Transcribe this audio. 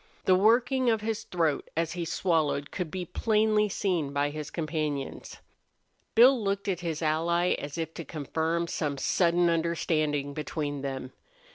The working of his throat as he swallowed could be plainly seen by his companions. Bill looked at his ally as if to confirm some sudden understanding between them.